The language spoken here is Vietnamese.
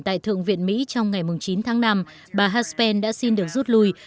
tại thượng viện mỹ trong ngày chín tháng năm bà haspen đã xin được rút lui